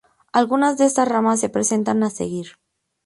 Algunas de estas ramas se presentan a seguir.